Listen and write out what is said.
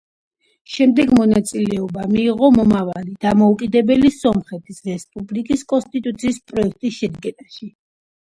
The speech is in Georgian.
შემდეგ მონაწილეობა მიიღო მომავალი, დამოუკიდებელი სომხეთის რესპუბლიკის კონსტიტუციის პროექტის შედგენაში.